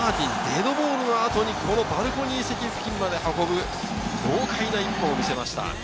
デッドボールの後にバルコニー席付近まで運ぶ豪快な１本を見せました。